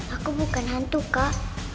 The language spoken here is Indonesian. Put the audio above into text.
aku bukan hantu kak